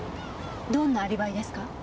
どんなアリバイですか？